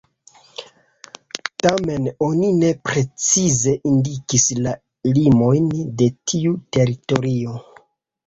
Tamen, oni ne precize indikis la limojn de tiu teritorio.